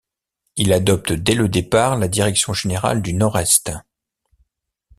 Il adopte dès le départ la direction générale du nord-est.